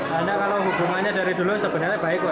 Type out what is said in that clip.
karena kalau hubungannya dari dulu sebenarnya baik ya